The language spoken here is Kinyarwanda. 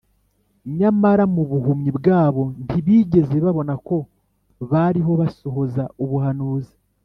nyamara mu buhumyi bwabo, ntibigeze babona ko bariho basohoza ubuhanuzi